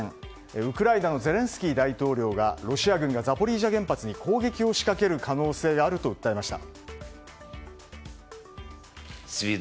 ウクライナのゼレンスキー大統領がロシア軍がザポリージャ原発に攻撃を仕掛ける可能性があると訴えました。